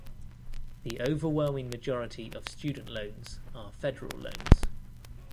The overwhelming majority of student loans are federal loans.